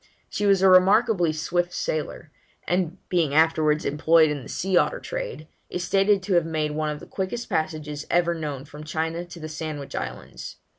She was a remarkably swift sailer, and, being afterwards employed in the sea otter trade, is stated to have made one of the quickest passages ever known from China to the Sandwich Islands.